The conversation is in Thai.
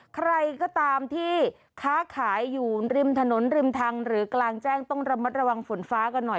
ใครก็ตามที่ค้าขายอยู่ริมถนนริมทางหรือกลางแจ้งต้องระมัดระวังฝนฟ้ากันหน่อย